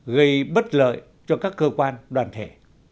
gây bất lợi cho các cơ quan đoàn thể